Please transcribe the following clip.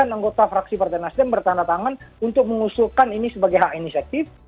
anggota fraksi partai nasdem bertanda tangan untuk mengusulkan ini sebagai hak inisiatif